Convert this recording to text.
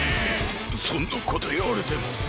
そんなこといわれても。